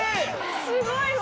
すごいわ。